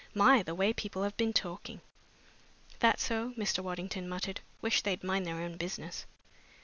"My! the way people have been talking!" "That so?" Mr. Waddington muttered. "Wish they'd mind their own business."